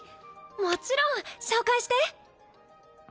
もちろん！紹介して。